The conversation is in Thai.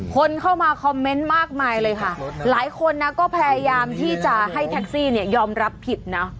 คนเข้ามาคอมเมนต์มากมายเลยค่ะหลายคนนะก็พยายามที่จะให้แท็กซี่เนี่ยยอมรับผิดนะ